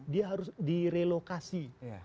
dia harus direlokasi